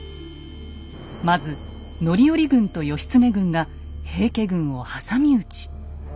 まず範頼軍と義経軍が平家軍を挟み撃ち。